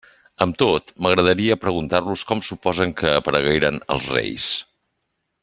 Amb tot, m'agradaria preguntar-los com suposen que aparegueren els reis.